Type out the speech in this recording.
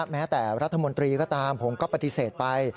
แม้แต่รัฐมนตรีก็ตามผมก็ปฏิเสธไป